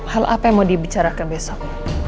hal apa yang mau dibicarakan besok